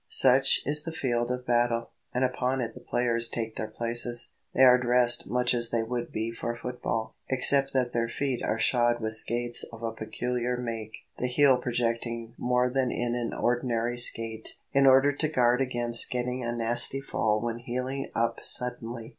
Such is the field of battle, and upon it the players take their places. They are dressed much as they would be for football, except that their feet are shod with skates of a peculiar make, the heel projecting more than in an ordinary skate, in order to guard against getting a nasty fall when heeling up suddenly.